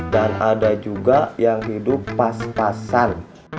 dan ada juga yang hidup pas pasan